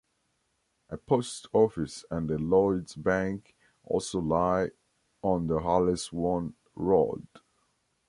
A post office and a Lloyds Bank also lie on the Halesowen Road.